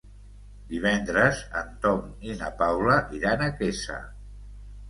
Divendres en Tom i na Paula aniran a Quesa.